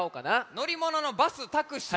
のりもののバスタクシー。